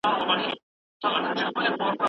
که درس د کیسې په ډول ورکړل سي نو نه هېریږي.